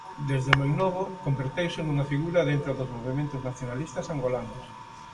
Desde moi novo, converteuse nunha figura dentro dos movementos nacionalistas angolanos.